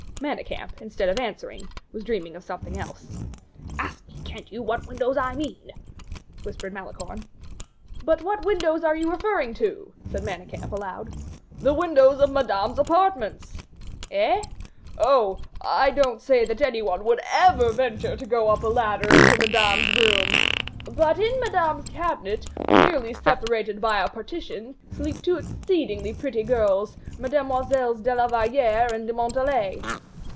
Manicamp, instead of answering, was dreaming of something else. "Ask me, can't you, what windows I mean," whispered Malicorne. "But what windows are you referring to?" said Manicamp, aloud. "The windows of Madame's apartments." "Eh!" "Oh! I don't say that any one would ever venture to go up a ladder into Madame's room; but in Madame's cabinet, merely separated by a partition, sleep two exceedingly pretty girls, Mesdemoiselles de la Valliere and de Montalais."